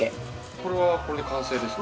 これはこれで完成ですか？